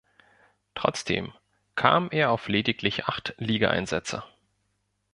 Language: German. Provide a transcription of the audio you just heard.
Trotzdem, kam er auf lediglich acht Ligaeinsätze.